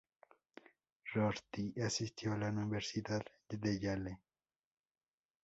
Rorty asistió a la Universidad de Yale.